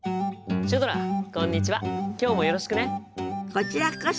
こちらこそ。